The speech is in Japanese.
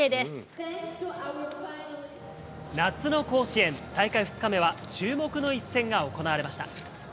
夏の甲子園、大会２日目は注目の一戦が行われました。